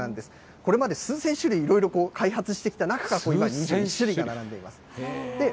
これまで数千種類いろいろ開発してきた中から２１種類が並んでいます。